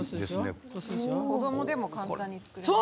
子どもでも簡単に作れます。